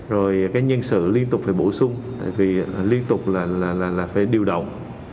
rồi cái nhân sự liên tục phải bổ sung tại vì liên tục là phải điều động